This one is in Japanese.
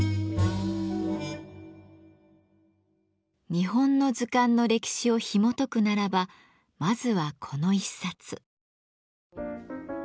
日本の図鑑の歴史をひもとくならばまずはこの一冊。